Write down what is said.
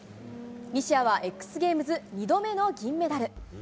西矢はＸＧａｍｅｓ２度目の銀メダル。